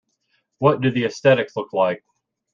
What do the aesthetics look like?